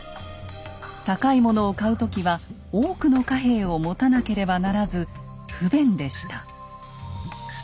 高いものを買う時は多くの貨幣を持たなければならず不便でした。